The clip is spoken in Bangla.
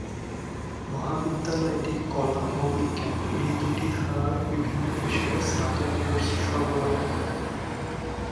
মহাবিদ্যালয়টি কলা ও বিজ্ঞান এই দু'টি ধারার বিভিন্ন বিষয়ে স্নাতক কোর্স সরবরাহ করে।